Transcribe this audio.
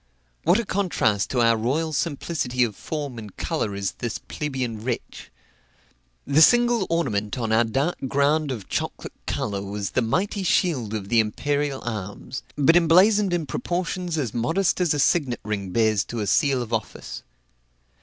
What a contrast to our royal simplicity of form and color is this plebeian wretch! The single ornament on our dark ground of chocolate color was the mighty shield of the imperial arms, but emblazoned in proportions as modest as a signet ring bears to a seal of office.